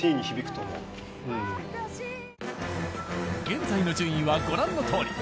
現在の順位はご覧のとおり。